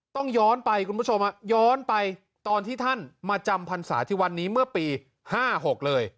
ต้องย้อนไปคุณผู้ชมย้อนไปตอนที่ท่านมาจำพรรษาที่วันนี้เมื่อปี๕๖เลย